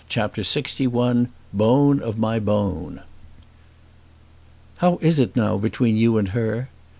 CHAPTER LXI "Bone of My Bone" "How is it now between you and her?"